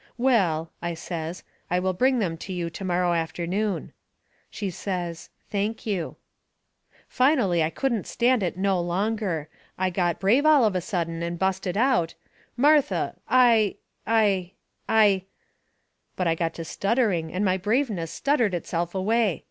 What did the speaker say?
"Well," I says, "I will bring them to you tomorrow afternoon." She says, "Thank you." Finally I couldn't stand it no longer. I got brave all of a sudden, and busted out: "Martha, I I I " But I got to stuttering, and my braveness stuttered itself away.